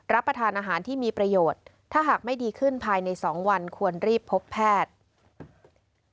ประทานอาหารที่มีประโยชน์ถ้าหากไม่ดีขึ้นภายใน๒วันควรรีบพบแพทย์